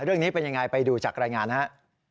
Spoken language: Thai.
เรื่องนี้เป็นยังไงไปดูจากรายงานฮะ